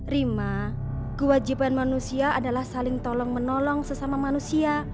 rima kewajiban manusia adalah saling tolong menolong sesama manusia